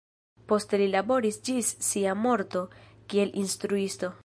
Poste li laboris ĝis sia morto kiel instruisto.